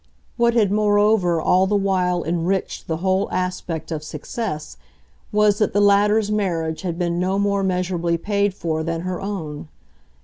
What had moreover all the while enriched the whole aspect of success was that the latter's marriage had been no more meassurably paid for than her own.